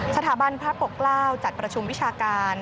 สถาบันพระปกเกล้าจัดประชุมวิชาการ